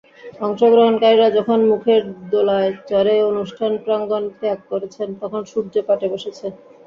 অংশগ্রহণকারীরা যখন সুখের দোলায় চড়ে অনুষ্ঠান প্রাঙ্গণ ত্যাগ করছেন তখন সূর্য পাটে বসেছে।